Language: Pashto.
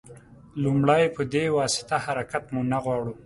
لومړی په دې واسطه حرکت مو نه غواړو.